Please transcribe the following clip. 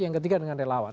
yang ketiga dengan relawan